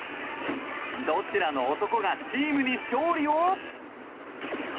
どちらの男がチームに勝利を？